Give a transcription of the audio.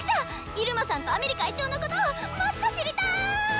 イルマさんとアメリ会長のことをもっと知りたい！